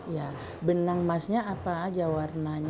ya benang emasnya apa aja warnanya